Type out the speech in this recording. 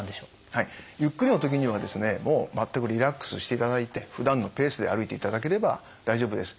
はいゆっくりの時にはもう全くリラックスしていただいてふだんのペースで歩いていただければ大丈夫です。